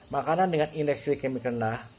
makanan dengan indeks glicemis rendah